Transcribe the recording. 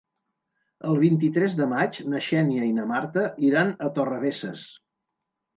El vint-i-tres de maig na Xènia i na Marta iran a Torrebesses.